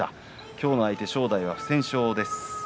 今日の相手、正代は不戦勝です。